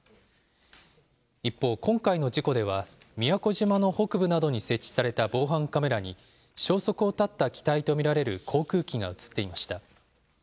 一方、今回の事故では、宮古島の北部などに設置された防犯カメラに、消息を絶った機体と見られる航空機が写っていました。